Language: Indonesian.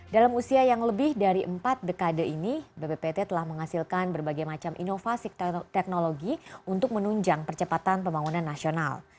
dalam usia yang lebih dari empat dekade ini bppt telah menghasilkan berbagai macam inovasi teknologi untuk menunjang percepatan pembangunan nasional